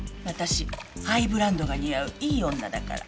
私ハイブランドが似合ういい女だから。